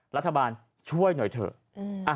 รัฐบาลช่วยหน่อยเถอะ